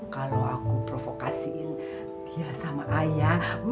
kalau aku provokasiin ya sama ayah